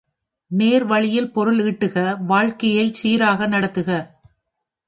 நேர் வழியில் பொருள் ஈட்டுக வாழ்க்கையைச் சீராக நடத்துக.